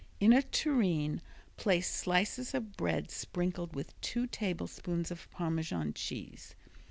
In a tureen place slices of bread sprinkled with two tablespoonfuls of Parmesan cheese.